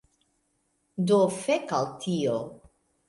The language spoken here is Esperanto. Do fek al tio